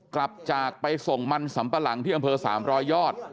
กลับจากไปส่งมันสำปะหลังที่อำเภอ๓๐๐ยอด